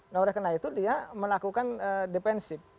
nah oleh karena itu dia melakukan defensif